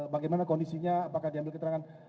bagaimana kondisinya apakah diambil keterangan